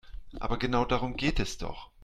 Aber genau darum geht es doch.